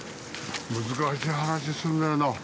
難しい話するんだよな。